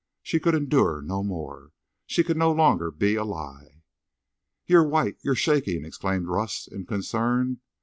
She could endure no more. She could no longer be a lie. "You're white—you're shaking," exclaimed Rust, in concern.